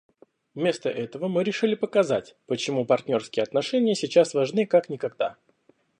Вместо этого мы решили показать, почему партнерские отношения сейчас важны как никогда.